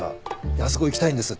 「あそこ行きたいんです」